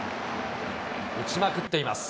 打ちまくっています。